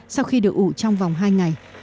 sau khi được ủ trong vòng hai ngày